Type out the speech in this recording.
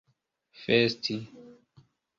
festi